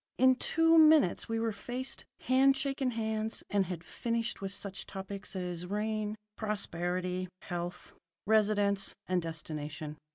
In two minutes we were faced, had shaken hands, and had finished with such topics as rain, prosperity, health, residence, and destination.